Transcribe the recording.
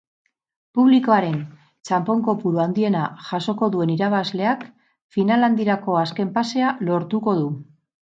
Publikoaren txanpon kopuru handiena jasoko duen irabazleak final handirako azken pasea lortuko du.